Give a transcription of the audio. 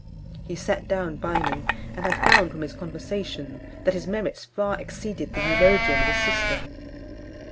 He sat down by me, and I found from his conversation that his merits far exceeded the eulogium of his sister.